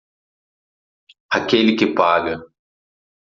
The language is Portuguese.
Aquele que paga.